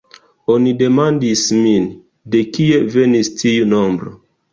Oni demandis min, de kie venis tiu nombro.